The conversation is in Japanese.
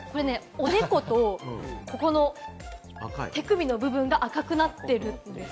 おでこと、ここの手首の部分が赤くなっているんです。